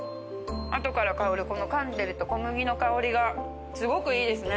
後から香るこの噛んでると小麦の香りがすごくいいですね。